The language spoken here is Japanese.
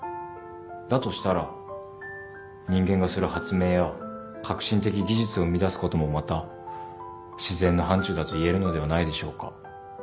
だとしたら人間がする発明や革新的技術を生み出すこともまた自然の範ちゅうだと言えるのではないでしょうか。